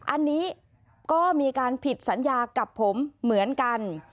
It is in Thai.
อันนี้ก็มีการผิดสัญญากับผมเหมือนกัน